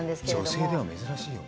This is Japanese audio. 女性では珍しいよね。